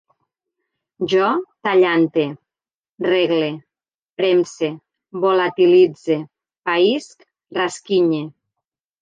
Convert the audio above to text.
Jo tallante, regle, premse, volatilitze, païsc, rasquinye